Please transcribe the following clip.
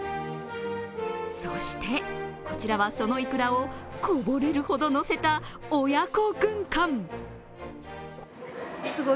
そして、こちらは、そのいくらをこぼれるほどのせた親子軍艦。